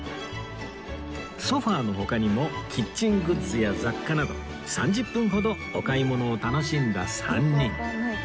ソファの他にもキッチングッズや雑貨など３０分ほどお買い物を楽しんだ３人